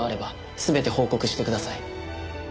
全て報告してください。